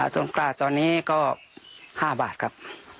ต้นก้าตอนนี้คือ๕บาทครับ